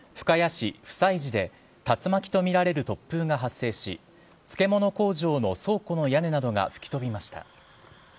昨夜７時半ごろ、深谷市普済寺で竜巻と見られる突風が発生し、漬物工場の倉庫の屋根などが吹き飛びました。